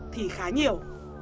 thì khá nhiều